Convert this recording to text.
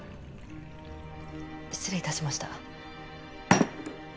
失礼致しました。